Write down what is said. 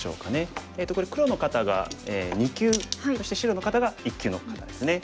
黒の方が２級そして白の方が１級の方ですね。